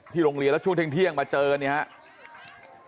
ทีโรงเรียนและช่วงเทียงมาเจอกัน